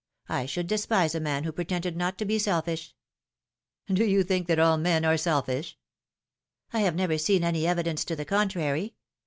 I should despite a man who pretended not to be selfish." " Do you think that all men are selfish?" " I have never seen any evidence to the contrary.